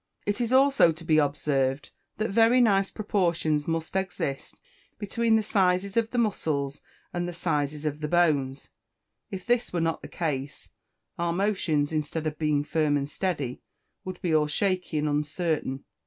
It is also to be observed that very nice proportions must exist between the sizes of the muscles and the sizes of the bones. If this were not the case, our motions, instead of being firm and steady, would be all shaky and uncertain.